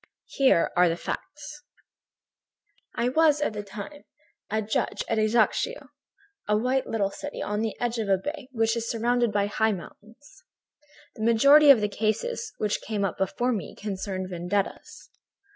Here are the facts: "I was, at that time, a judge at Ajaccio, a little white city on the edge of a bay which is surrounded by high mountains. "The majority of the cases which came up before me concerned vendettas.